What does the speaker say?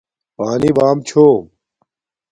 پانی بام چھوم